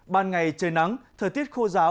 ban ngày trời nắng thời tiết khô ráo